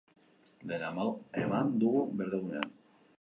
Dena eman dugu berdegunean.